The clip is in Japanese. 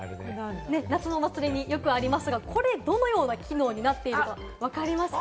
夏のお祭りによくありますが、これどのような機能になっているか、わかりますか？